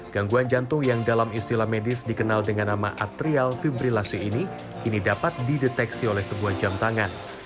gangguan jantung yang dalam istilah medis dikenal dengan nama atrial fibrilasi ini kini dapat dideteksi oleh sebuah jam tangan